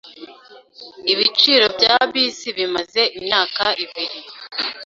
Ibiciro bya bisi bimaze imyaka ibiri.